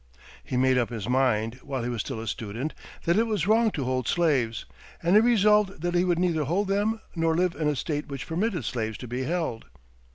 He made up his mind, while he was still a student, that it was wrong to hold slaves, and he resolved that he would neither hold them nor live in a State which permitted slaves to be held.